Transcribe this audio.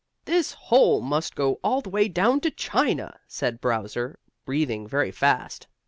"This hole must go all the way down to China!" said Browser, breathing very fast.